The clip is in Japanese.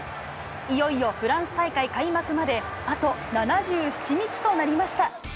いよいよフランス大会開幕まであと７７日となりました。